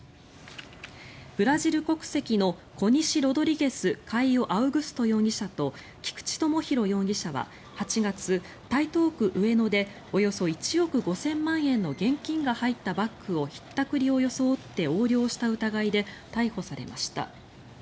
ブラジル国籍のコニシロドリゲス・カイオ・アウグスト容疑者と菊地友博容疑者は８月台東区上野でおよそ１億５０００万円の現金が入ったバッグをひったくりを装って横領した疑いで逮捕されました。